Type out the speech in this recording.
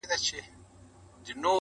اغزي مي له تڼاکو رباتونه تښتوي،